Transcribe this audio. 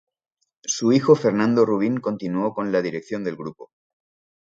Su hijo Fernando Rubin continuó con la dirección del grupo.